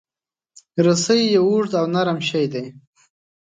رسۍ یو اوږد او نرم شی دی.